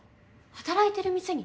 働いてる店に？